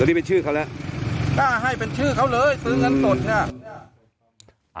นี่เป็นชื่อเขาแล้วกล้าให้เป็นชื่อเขาเลยซื้อเงินสดค่ะ